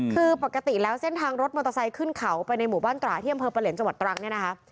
คือปกติแล้วเส้นทางรถมอเตอร์ไซค์ขึ้นเขาไปในหมู่บ้านตราที่อำเภอประเหลียนจังหวัดตรังเนี่ยนะคะ